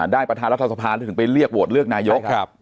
ได้ประธานรัฐศพาสถึงไปเลือกโหวตเลือกนายก